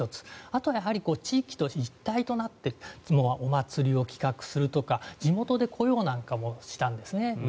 あとはやはり地域と一体となってお祭りを企画するとか地元で雇用なんかもしたんですね。